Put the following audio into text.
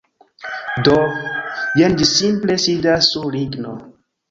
Do, jen ĝi simple sidas sur ligno